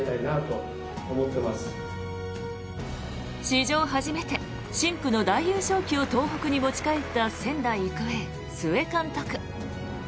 史上初めて深紅の大優勝旗を東北に持ち帰った仙台育英、須江監督。